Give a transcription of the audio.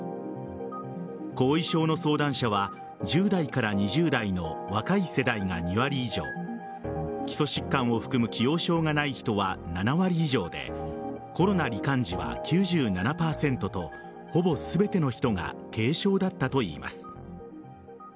後遺症の相談者は１０代から２０代の若い世代が２割以上基礎疾患を含む既往症がない人は７割以上でコロナ罹患時は９７％とほぼ全ての人が軽症だったといいます。